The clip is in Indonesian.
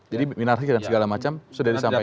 jadi binarsi dan segala macam sudah disampaikan